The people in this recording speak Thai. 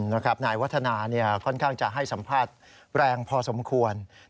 นายวัฒนาค่อนข้างจะให้สัมภาษณ์แรงพอสมควร